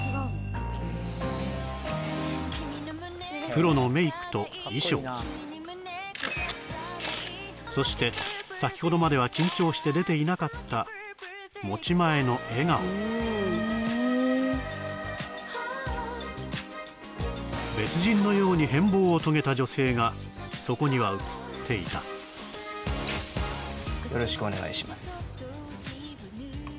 プロのメイクと衣装そして先ほどまでは緊張して出ていなかった持ち前の笑顔別人のように変貌を遂げた女性がそこには写っていたよろしくお願いします